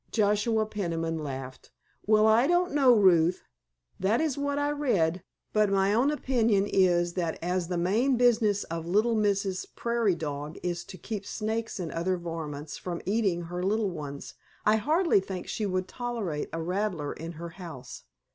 Joshua Peniman laughed. "Well, I don't know, Ruth, that is what I read; but my own opinion is that as the main business of little Mrs. Prairie Dog is to keep snakes and other varmints from eating her little ones I hardly think she would tolerate a rattler in her house.